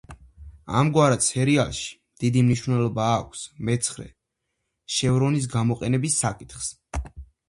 ამგვარად, სერიალში დიდი მნიშვნელობა აქვს მეცხრე შევრონის გამოყენების საკითხს.